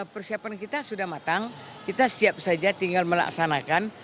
persiapan kita sudah matang kita siap saja tinggal melaksanakan